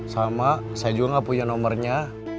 sama saya juga gak punya nomernya